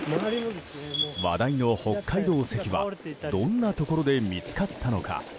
話題の北海道石はどんなところで見つかったのか。